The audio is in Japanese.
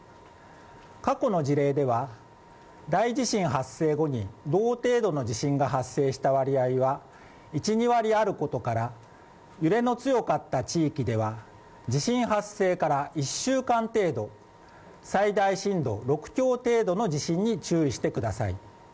過去の事例では大地震発生後に同程度の地震が発生した割合は１２割あることから、揺れの強かった地域では地震発生から１週間程度、最大震度６強程度の地震に注意してください。